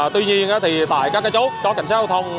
tuy nhiên tại các chỗ có cảnh sát giao thông